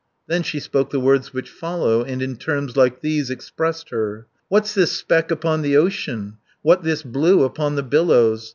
Then she spoke the words which follow, And in terms like these expressed her: "What's this speck upon the ocean, What this blue upon the billows?